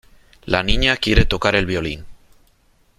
La niña quiere tocar el violín.